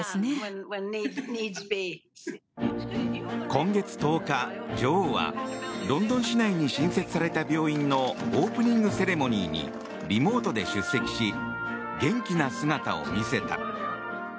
今月１０日、女王はロンドン市内に新設された病院のオープニングセレモニーにリモートで出席し元気な姿を見せた。